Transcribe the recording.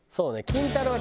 キンタロー。